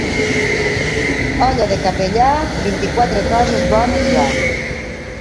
Olla de capellà, vint-i-quatre coses bones hi ha.